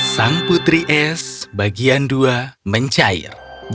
sang putri s bagian dua mencair